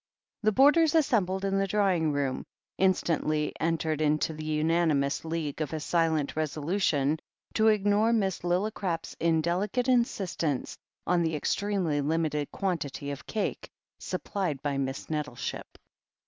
The boarders assembled in the drawing room in stantly entered into the unanimous league of a silent resolution to ignore Miss Lillicrap's indelicate insist ence on the extremely limited quantity of cake supplied by Miss Nettleship.